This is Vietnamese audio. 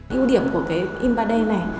ưu điểm của cái inbody này